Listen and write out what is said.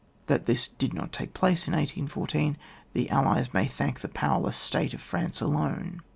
That this did not take place in 1814 the Allies may thank the powerless state of France alone.